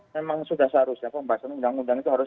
memang sudah seharusnya pembahasan undang undang itu harus